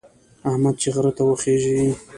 احمد چې غره ته وخېژي،